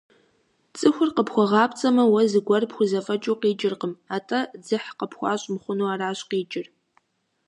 Цӏыхур къыпхуэгъэпцӏамэ, уэ зыгуэр пхузэфӏэкӏыу къикӏыркъым, атӏэ, дзыхь къыпхуащӏ мыхъуну аращ къикӏыр.